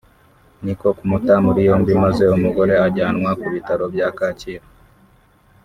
niko kumuta muri yombi maze umugore ajyanwa ku bitaro bya Kacyiru